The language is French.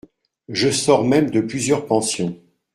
Je sors même de plusieurs pensions.